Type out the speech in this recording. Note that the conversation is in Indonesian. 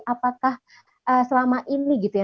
apakah selama ini gitu ya